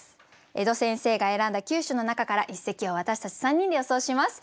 江戸先生が選んだ９首の中から一席を私たち３人で予想します。